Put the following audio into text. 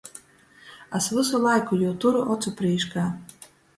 Es vysu laiku jū turu ocu prīškā.